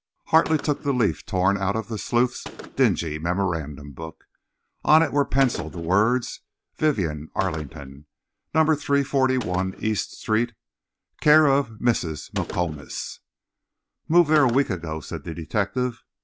Hartley took the leaf torn out of the sleuth's dingy memorandum book. On it were pencilled the words "Vivienne Arlington, No. 341 East ––––th Street, care of Mrs. McComus." "Moved there a week ago," said the detective.